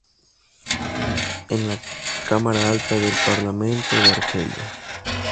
Es la cámara alta del Parlamento de Argelia.